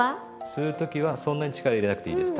吸う時はそんなに力入れなくていいです。